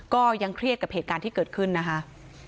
ก็ยังเครียดกับเหตุการณ์ที่เกิดขึ้นนะคะ